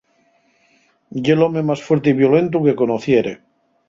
Ye l'home más fuerte y violentu que conociere.